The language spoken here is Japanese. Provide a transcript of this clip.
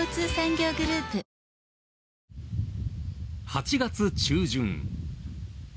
８月中旬。